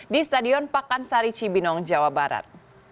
di stadion pakansari cibinong jawa barat